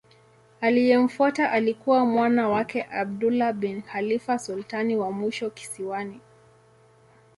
Aliyemfuata alikuwa mwana wake Abdullah bin Khalifa sultani wa mwisho kisiwani.